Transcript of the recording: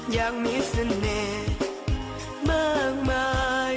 ยังมีเสน่ห์มากมาย